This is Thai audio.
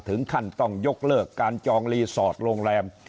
ถึงขั้นต้องยกเลิกการจองรีสอร์ทโรงแรม